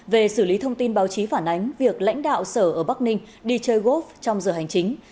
về xử lý thông tin báo chí phản ánh việc lãnh đạo sở ở bắc ninh đi chơi golf trong giờ hành chính